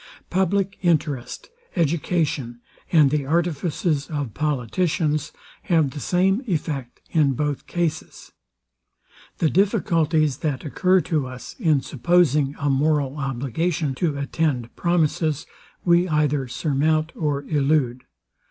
Public interest, education, and the artifices of politicians, have the same effect in both cases. The difficulties, that occur to us, in supposing a moral obligation to attend promises, we either surmount or elude.